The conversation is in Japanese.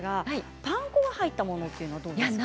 パン粉が入ったものはどうですか。